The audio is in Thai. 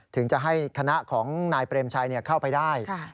ถึงจะให้คณะของนายเปรมชัยเข้าไปได้